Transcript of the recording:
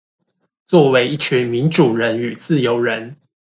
作為一群民主人與自由人